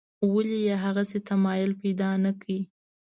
ولې یې هغسې تمایل پیدا نکړ.